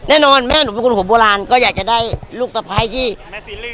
แน่นอนแม่หนูเป็นคนหัวโบราณก็อยากจะได้ลูกภัยที่แม่สีลื้อ